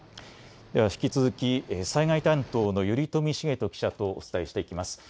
では引き続き災害担当の頼富重人記者とお伝えしていきます。